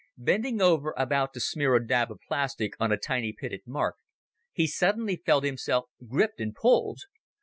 Bending over, about to smear a dab of plastic on a tiny pitted mark, he suddenly felt himself gripped and pulled.